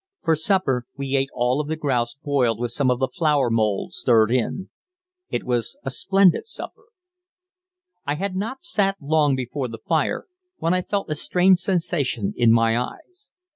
For supper we ate all of the grouse boiled with some of the flour mould stirred in. It was a splendid supper. I had not sat long before the fire when I felt a strange sensation in my eyes.